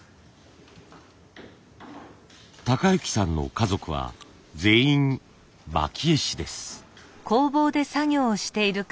崇之さんの家族は全員蒔絵師です。